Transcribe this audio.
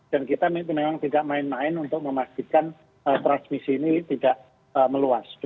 dan kita memang tidak main main untuk memastikan transmisi ini tidak meluas